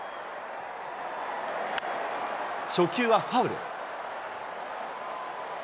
初球はファウル。